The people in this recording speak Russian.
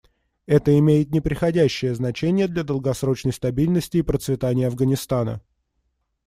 Это имеет непреходящее значение для долгосрочной стабильности и процветания Афганистана.